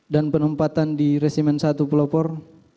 dan penempatan di resimen satu pelopor